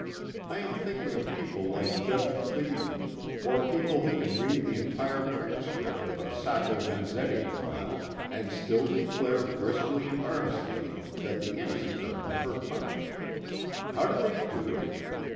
I am thinking of people like Judge Cleever, or people who can read the entire transcript of the Sacco Vanzetti trial and still declare briskly and earnestly that the innocent are never punished. How do they do it?